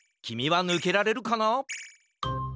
きみはぬけられるかな？